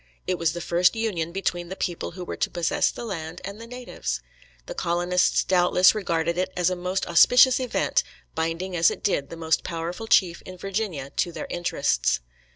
It was the first union between the people who were to possess the land and the natives. The colonists doubtless regarded it as a most auspicious event, binding as it did the most powerful chief in Virginia to their interests.